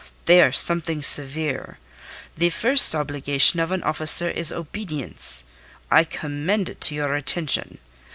They are something severe. The first obligation of an officer is obedience. I commend it to your attention.